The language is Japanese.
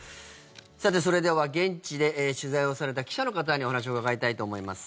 それでは現地で取材をされた記者の方にお話を伺いたいと思います。